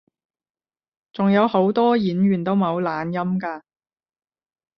仲有好多演員都冇懶音㗎